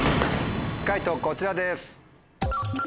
解答こちらです。